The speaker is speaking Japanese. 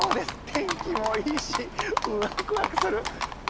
天気もいいしワクワクする。